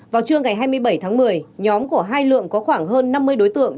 vào trưa ngày hai mươi bảy tháng một mươi nhóm của hai lượng có khoảng hơn năm mươi đối tượng